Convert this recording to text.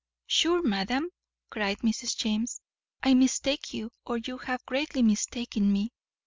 "Sure, madam," cried Mrs. James, "I mistake you, or you have greatly mistaken me.